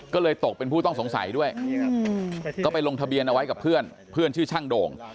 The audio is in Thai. ก็เลยตกเป็นผู้ต้องสงสัยด้วยก็ไปลงทะเบียนเอาไว้กับเพื่อนเพื่อนชื่อช่างโด่ง